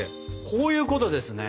こういうことですね？